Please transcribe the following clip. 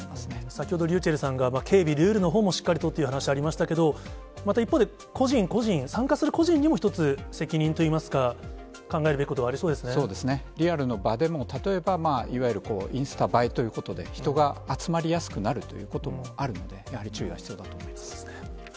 先ほどｒｙｕｃｈｅｌｌさんが、警備のほうもしっかりという話もありましたけど、また一方で、個人個人、参加する個人にも、一つ、責任といいますか、考えるそうですね、リアルの場でも、例えば、いわゆるインスタ映えということで、人が集まりやすくなるということもあるので、注意が必要だと思います。